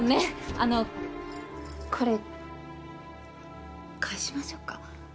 あのこれ返しましょうか？